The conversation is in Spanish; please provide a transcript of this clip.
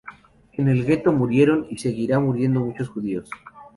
En el gueto murieron y seguirá muriendo muchos Judíos.